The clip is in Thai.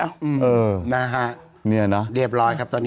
เออมาฮะเรียบร้อยครับตอนนี้